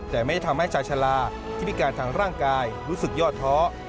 แต่ไม่ได้ทำให้ชาลาที่พิการทางร่างกายรู้สึกยอดท้อ